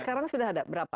sekarang sudah ada berapa